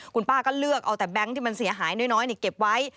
คุณป้าก็เลือกเอาแต่แบงค์ที่มันเสียหายน้อยเก็บไว้